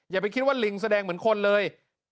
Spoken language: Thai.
อย่าไปคิดว่าลิงแสดงเหมือนคนเลย